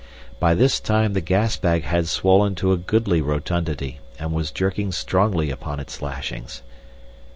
By this time the gas bag had swollen to a goodly rotundity and was jerking strongly upon its lashings.